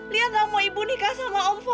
liat gak mau ibu nikah sama om fauzan